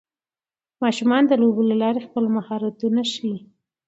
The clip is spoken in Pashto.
ماشومان د لوبو له لارې خپل مهارتونه وښيي